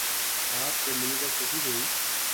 آپ سے مل کر خوشی ہوئی